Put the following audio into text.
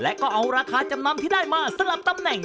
และก็เอาราคาจำนำที่ได้มาสลับตำแหน่ง